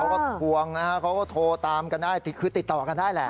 เขาก็ทวงนะฮะเขาก็โทรตามกันได้คือติดต่อกันได้แหละ